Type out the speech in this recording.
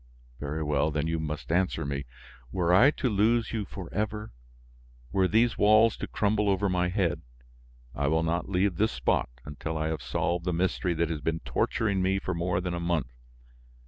Very well, then you must answer me. Were I to lose you forever, were these walls to crumble over my head, I will not leave this spot until I have solved the mystery that has been torturing me for more than a month.